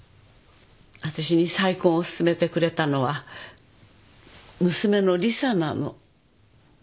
私に再婚を勧めてくれたのは娘のリサなの。